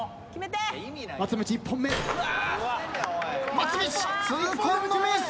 松道痛恨のミス。